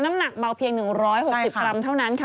น้ำหนักเบาเพียง๑๖๐กรัมเท่านั้นค่ะ